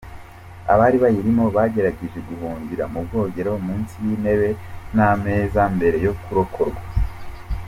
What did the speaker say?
Abari bayirimo bagerageje guhungira mu bwogero, munsi y’intebe n’ameza mbere yo kurokorwa.